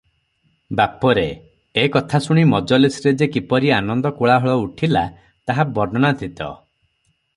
ବାପରେ!" ଏ କଥା ଶୁଣି ମଜଲିସରେ ଯେ କିପରି ଆନନ୍ଦ କୋଳାହଳ ଉଠିଲା, ତାହା ବର୍ଣ୍ଣନାତୀତ ।